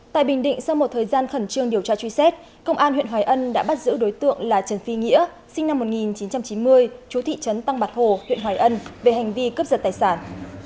tại bình định sau một thời gian khẩn trương điều tra truy xét công an huyện hoài ân đã bắt giữ đối tượng là trần phi nghĩa sinh năm một nghìn chín trăm chín mươi chú thị trấn tăng bạc hồ huyện hoài ân về hành vi cướp giật tài sản